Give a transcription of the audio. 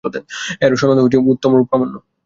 এর সনদও উত্তম ও প্রামাণ্য।